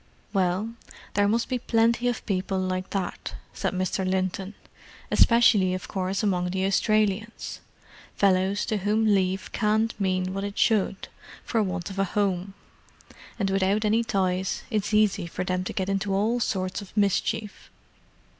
"Well, there must be plenty of people like that," said Mr. Linton. "Especially, of course, among the Australians. Fellows to whom leave can't mean what it should, for want of a home: and without any ties it's easy for them to get into all sorts of mischief.